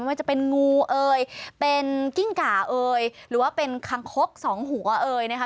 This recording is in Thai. ว่าจะเป็นงูเอ่ยเป็นกิ้งก่าเอ่ยหรือว่าเป็นคังคกสองหัวเอ่ยนะคะ